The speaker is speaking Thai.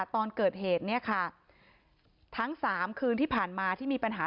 ตอนเกิดเหตุเนี่ยค่ะทั้งสามคืนที่ผ่านมาที่มีปัญหา